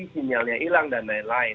sinyalnya hilang dan lain lain